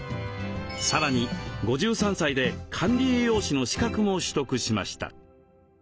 さらに５３歳で管理栄養士の資格も取得しました。